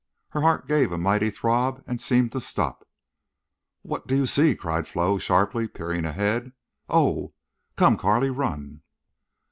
Her heart gave a mighty throb and seemed to stop. "What—do you see?" cried Flo, sharply, peering ahead. "Oh!... Come, Carley. _Run!